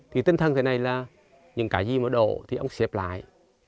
thì tinh thần thế này là những cái gì mà đổ thì ông xếp lại